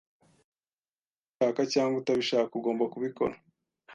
Waba ubishaka cyangwa utabishaka, ugomba kubikora.